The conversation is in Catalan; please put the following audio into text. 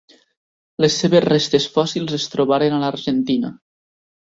Les seves restes fòssils es trobaren a l'Argentina.